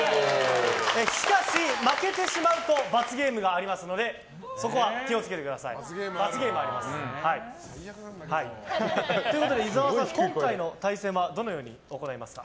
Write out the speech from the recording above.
しかし、負けてしまうと罰ゲームがありますのでそこは気を付けてください。ということで、今回の対戦はどのように行いますか？